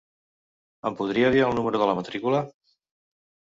Em podria dir el número de la matrícula?